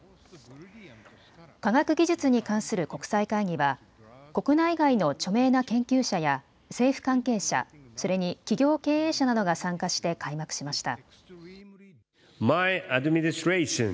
科学技術に関する国際会議は国内外の著名な研究者や政府関係者、それに企業経営者などが参加して開幕しました。